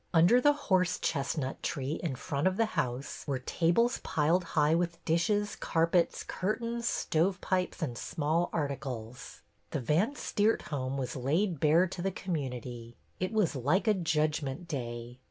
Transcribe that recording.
Under the horse chestnut tree in front of the house were tables piled high with dishes, carpets, curtains, stovepipes, and small articles. The Van Steert home was laid bare to the community. It was like a judgment day.